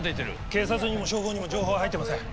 警察にも消防にも情報は入ってません。